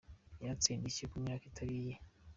Yatse indishyi ku myaka itari iye